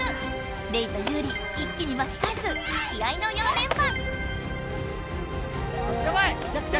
レイとユウリ一気にまきかえす気合いの４連発！